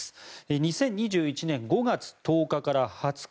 ２０２１年５月１０日から２０日